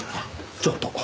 ちょっと。